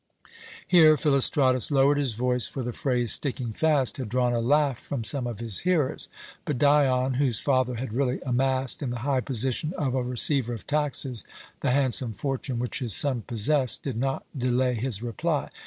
Here Philostratus lowered his voice, for the phrase "sticking fast" had drawn a laugh from some of his hearers; but Dion, whose father had really amassed, in the high position of a receiver of taxes, the handsome fortune which his son possessed, did not delay his reply.